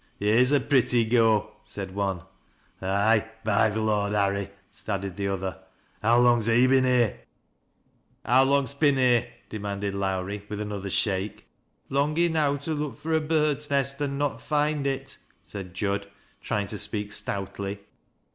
" Here's a pretty go," said one. "Aye, by th Lord Harry 1" added the othei. "Htw long's he bin here 1 "" How long'st bin here ?" demanded Lowrie, with au other shake. " Long enow to look fur a bird's nest an' not find it," said Jud, trying to speak stoutly.